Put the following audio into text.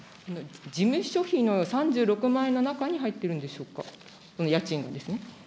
事務所費の３６万円の中に入ってるんでしょうか、この家賃ですね。